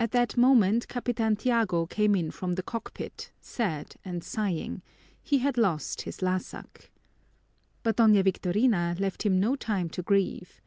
At that moment Capitan Tiago came in from the cockpit, sad and sighing; he had lost his lásak. But Doña Victorina left him no time to grieve.